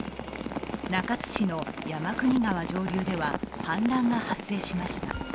中津市の山国川上流では氾濫が発生しました。